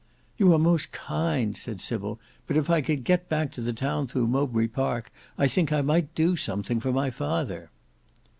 "You are most kind," said Sybil, "but if I could get back to the town through Mowbray Park, I think I might do something for my father!"